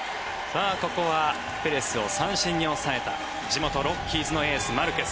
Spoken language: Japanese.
ここはペレスを三振に抑えた地元ロッキーズのエースマルケス。